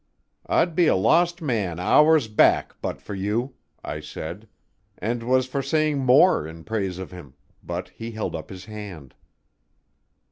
"I'd be a lost man hours back but for you," I said, and was for saying more in praise of him, but he held up his hand.